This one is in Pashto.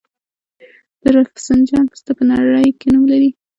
د رفسنجان پسته په نړۍ کې نوم لري.